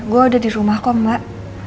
gue ada di rumah kok mbak